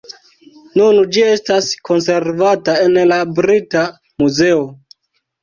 Nun ĝi estas konservata en la Brita Muzeo.